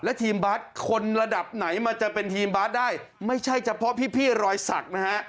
และทีมบาสคนระดับไหนมันจะเป็นทีมบาสได้ไม่ใช่เฉพาะพี่รอยศักดิ์นะฮะ